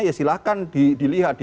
ya silahkan dilihat di dmk